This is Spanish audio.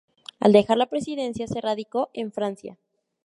Al dejar la presidencia se radicó en Francia.